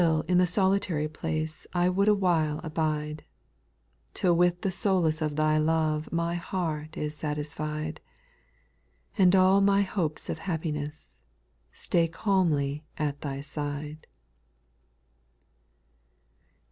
7. Still in the solitary place I would a while abide. Till with the solace of Thy love My heart is satisfied. And all my hopes of happiness Stay calmly at Thy side.